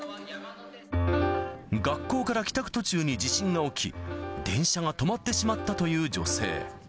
学校から帰宅途中に地震が起き、電車が止まってしまったという女性。